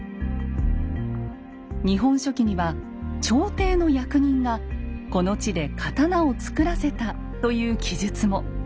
「日本書紀」には朝廷の役人がこの地で刀を作らせたという記述も。